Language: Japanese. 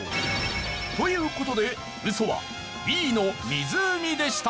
という事でウソはＢの湖でした。